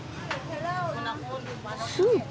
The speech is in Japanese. スープ？